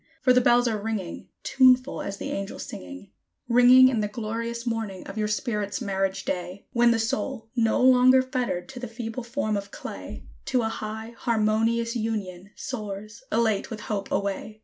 for the bells are ringing, Tuneful as the angels singing, Ringing in the glorious morning of your spirit's marriage day, When the soul, no longer fettered to the feeble form of clay, To a high, harmonious union, soars, elate with hope away.